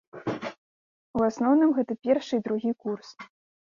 У асноўным гэта першы і другі курс.